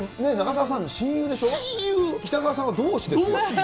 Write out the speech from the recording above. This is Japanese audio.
北川さんは同志ですよ。